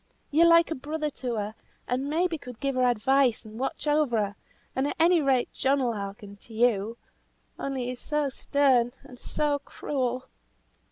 You're like a brother to her, and maybe could give her advice and watch over her, and at any rate John will hearken to you; only he's so stern and so cruel."